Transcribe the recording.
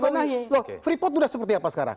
tapi freeport sudah seperti apa sekarang